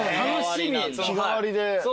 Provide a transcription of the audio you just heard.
日替わりで。